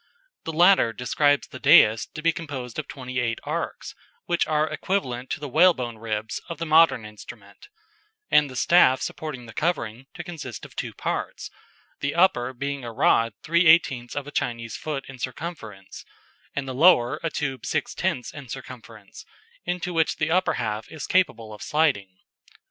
The latter describes the dais to be composed of 28 arcs, which are equivalent to the whalebone ribs of the modern instrument, and the staff supporting the covering to consist of two parts, the upper being a rod 3/18ths of a Chinese foot in circumference, and the lower a tube 6/10ths in circumference, into which the upper half is capable of sliding."